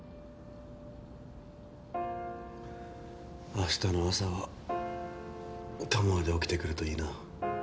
明日の朝は巴で起きてくるといいな。